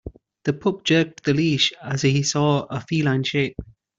The pup jerked the leash as he saw a feline shape.